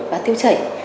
và tiêu chảy